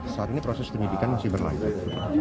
saat ini proses penyidikan masih berlanjut